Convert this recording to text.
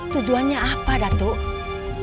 tujuannya apa dato'